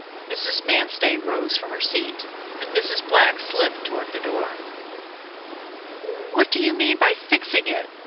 Mrs. Manstey rose from her seat, and Mrs. Black slipped toward the door. "What do you mean by fixing it?